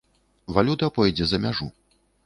Валюта пойдзе за мяжу.